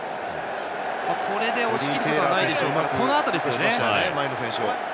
これで、押し切ることはないでしょうからこのあとですね。